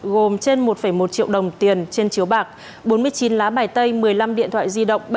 gồm trên một một triệu đồng tiền trên chiếu bạc bốn mươi chín lá bài tay một mươi năm điện thoại di động